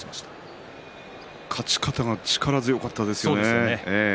勝ち方が力強かったですよね。